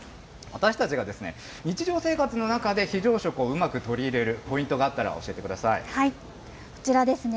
私たちが日常生活の中で非常食をうまく取り入れるポイントがこちらですね。